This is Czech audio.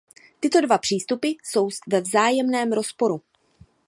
Tyto dva přístupy jsou ve vzájemném rozporu.